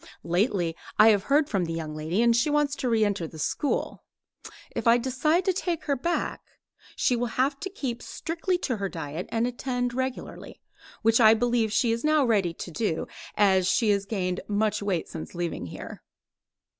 Lately I have heard from the young lady, and she wants to re enter the school. If I decide to take her back, she will have to keep strictly to her diet and attend regularly, which I believe she is now ready to do, as she has gained much weight since leaving here.